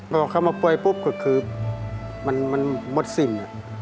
พอเขามาป่วยปุ๊บก็คือมันหมดสิน